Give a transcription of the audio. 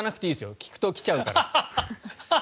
聞くと来ちゃうから。